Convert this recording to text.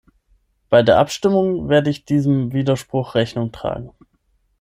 Bei der Abstimmung werde ich diesem Widerspruch Rechnung tragen.